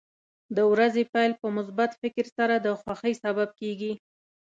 د ورځې پیل په مثبت فکر سره د خوښۍ سبب کېږي.